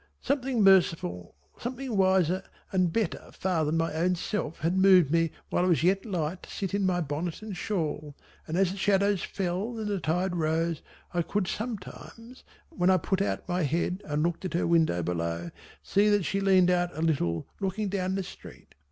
Something merciful, something wiser and better far than my own self, had moved me while it was yet light to sit in my bonnet and shawl, and as the shadows fell and the tide rose I could sometimes when I put out my head and looked at her window below see that she leaned out a little looking down the street.